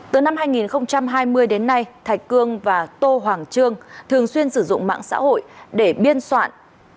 từ năm hai nghìn hai mươi đến nay thạch cương và tô hoàng trương thường xuyên sử dụng mạng xã hội để biên soạn